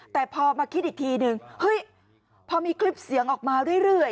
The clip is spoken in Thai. แต่พอมาคิดอีกทีนึงเฮ้ยพอมีคลิปเสียงออกมาเรื่อย